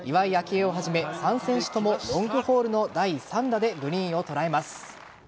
愛をはじめ３選手ともロングホールの第３打でグリーンを捉えます。